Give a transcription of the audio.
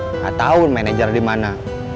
nggak tahu manajer di mana